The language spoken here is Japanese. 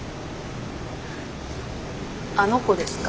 あの子ですか？